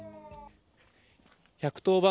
１１０番